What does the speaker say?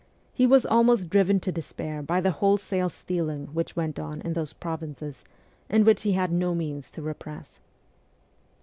He was almost driven to despair by the wholesale stealing which went on in those provinces, and which he had no means to repress.